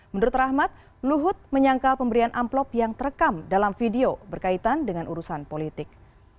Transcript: menurut rahmat luhut menyangkal pemberian amplop yang terekam dalam video berkaitan dengan urusan politik